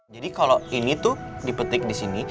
jadi kalo ini tuh dipetik disini